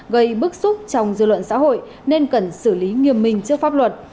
gây bức xúc trong dư luận xã hội nên cần xử lý nghiêm minh trước pháp luật